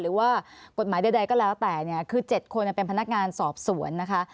หรือว่ากฎหมายใดก็แล้วแต่เนี่ยคือ๗คนเป็นพนักงานสอบสวนนะคะ